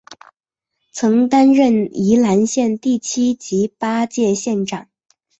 曾担任宜兰县第七及八届县长。